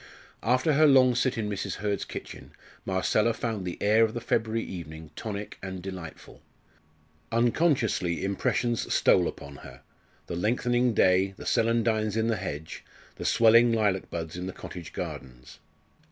After her long sit in Mrs. Hurd's kitchen Marcella found the air of the February evening tonic and delightful. Unconsciously impressions stole upon her the lengthening day, the celandines in the hedges, the swelling lilac buds in the cottage gardens.